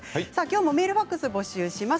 メール、ファックスを募集します。